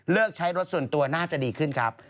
เลือกใช้รถส่วนตัวน่าจะดีขึ้นครับ